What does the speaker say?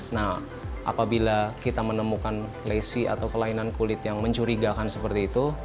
nah apabila kita menemukan lesi atau kelainan kulit yang mencurigakan seperti itu